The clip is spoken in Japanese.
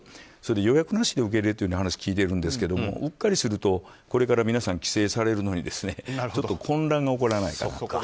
予約なしで受けれるという話を聞いてるんですけどうっかりすると、これから皆さん帰省されるのに混乱が起こらないかとか。